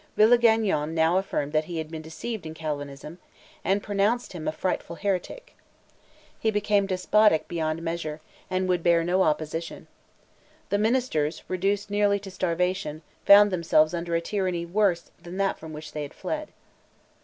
Villegagnon now affirmed that he had been deceived in Calvin, and pronounced him a "frightful heretic." He became despotic beyond measure, and would bear no opposition. The ministers, reduced nearly to starvation, found themselves under a tyranny worse than that from which they had fled.